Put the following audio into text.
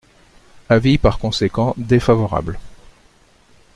Avis par conséquent défavorable.